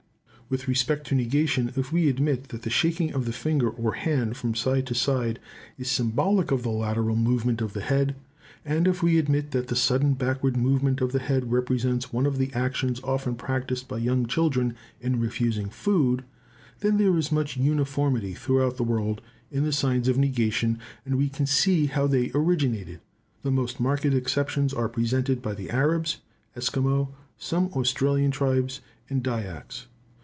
With respect to negation, if we admit that the shaking of the finger or hand from side to side is symbolic of the lateral movement of the head; and if we admit that the sudden backward movement of the head represents one of the actions often practised by young children in refusing food, then there is much uniformity throughout the world in the signs of negation, and we can see how they originated. The most marked exceptions are presented by the Arabs, Esquimaux, some Australian tribes, and Dyaks.